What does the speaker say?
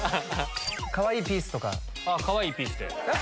かわいいピースとか。